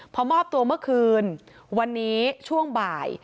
พอมอบตัวเมื่อคืนวันนี้ช่วงบ่าย